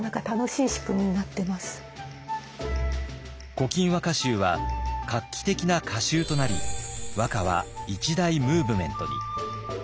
「古今和歌集」は画期的な歌集となり和歌は一大ムーブメントに。